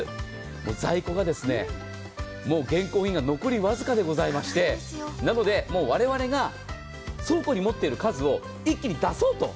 在庫がもう現行、今残り僅かでございまして、なので、我々が倉庫に持っている数を一気に出そうと。